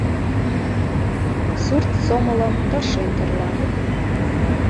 Сурт сомылым тыршен тӧрла.